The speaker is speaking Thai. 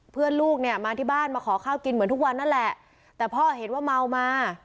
ลูกเนี่ยมาที่บ้านมาขอข้าวกินเหมือนทุกวันนั่นแหละแต่พ่อเห็นว่าเมามา